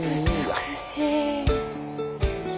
美しい。